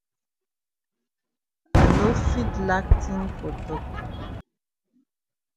I no fit lack tin for tok.